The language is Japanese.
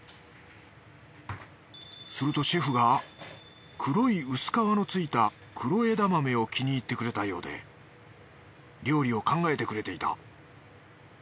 するとシェフが黒い薄皮のついた黒枝豆を気に入ってくれたようで料理を考えてくれていた。